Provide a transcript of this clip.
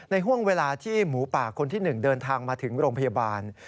ห่วงเวลาที่หมูป่าคนที่๑เดินทางมาถึงโรงพยาบาล